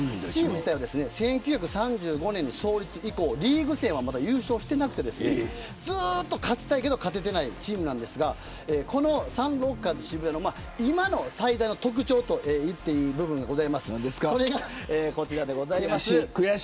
１９３５年の創立以降リーグ戦ではまだ優勝していなくてずっと勝ちたいけど勝ててないチームなんですがサンロッカーズ渋谷の今の最大の特徴と言っていい部分こちらです。